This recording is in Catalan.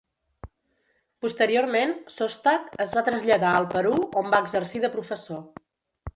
Posteriorment, Sostak es va traslladar al Perú on va exercir de professor.